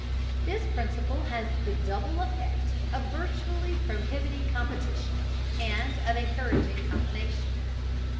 This principle has the double effect of virtually prohibiting competition and of encouraging combination.